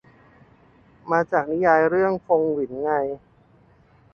มาจากนิยายเรื่องฟงหวินไง